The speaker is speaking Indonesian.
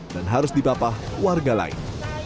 dan harus dibapah warga lain